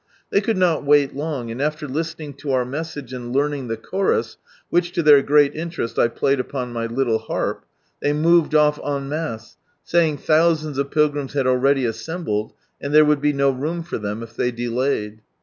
They could not wait long, and after listening to our message, and learning the chorus, which, to their great interest, 1 played upon my little harp, they moved off en masse, saying thousands of pilgrims had already assembled, and there would be no room for them if they delayed.